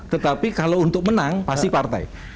tetapi kalau untuk menang pasti partai